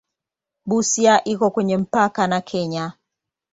Busia iko kwenye mpaka na Kenya.